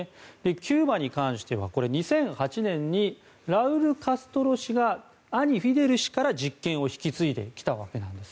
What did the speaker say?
キューバに関しては２００８年にラウル・カストロ氏が兄のフィデル氏から実権を引き継いできたわけです。